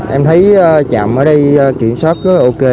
em thấy chạm ở đây kiểm soát rất ok